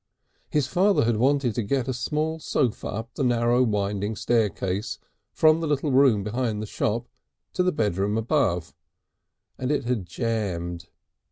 His father had wanted to get a small sofa up the narrow winding staircase from the little room behind the shop to the bedroom above, and it had jammed.